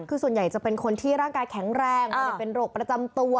คือส่วนใหญ่จะเป็นคนที่ร่างกายแข็งแรงไม่ได้เป็นโรคประจำตัว